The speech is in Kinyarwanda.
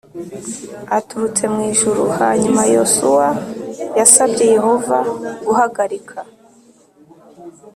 aturutse mu ijuru Hanyuma Yosuwa yasabye Yehova guhagarika